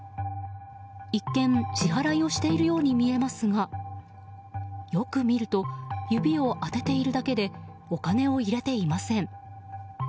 一見、支払いをしているように見えますがよく見ると指を当てているだけでお金を入れていません。